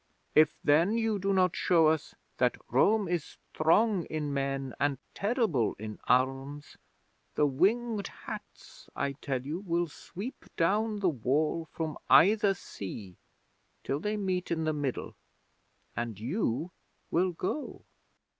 If then you do not show us that Rome is strong in men and terrible in arms, the Winged Hats, I tell you, will sweep down the Wall from either sea till they meet in the middle, and you will go.